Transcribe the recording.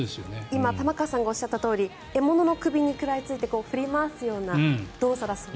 今、玉川さんがおっしゃったとおり獲物の首にかみついて振り回すような動作だそうです。